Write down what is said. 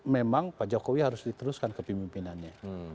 memang pak jokowi harus diteruskan kepemimpinannya